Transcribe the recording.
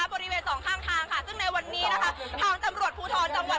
บริเวณสองข้างทางค่ะซึ่งในวันนี้นะคะทางตำรวจภูทรจังหวัด